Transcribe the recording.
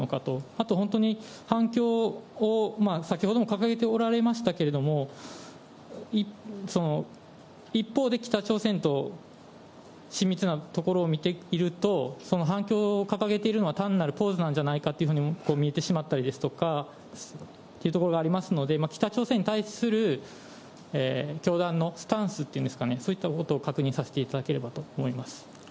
あと本当に反共を先ほども掲げておられましたけれども、一方で北朝鮮と親密なところを見ていると、反共を掲げているのは単なるポーズなんじゃないかと見えてしまったりですとか、っていうところがありますので、北朝鮮に対する教団のスタンスっていうんですかね、そういったことを確認させていただければと思います。